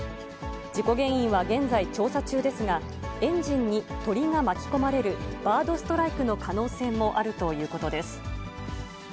事故原因は現在、調査中ですが、エンジンに鳥が巻き込まれるバードストライクの可能性もあるということです。